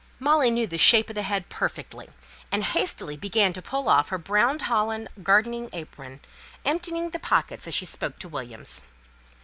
Molly knew the shape of the head perfectly, and hastily began to put off her brown holland gardening apron, emptying the pockets as she spoke to Williams.